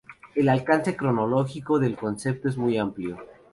El alcance cronológico del concepto es muy amplio.